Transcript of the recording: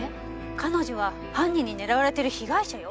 彼女は犯人に狙われている被害者よ。